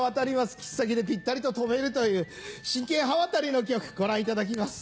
切っ先でぴったりと止めるという真剣刃渡りの曲ご覧いただきます。